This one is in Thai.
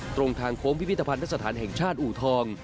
ตรงทางโค้งพิพิธภัณฑสถานแห่งชาติอูทอง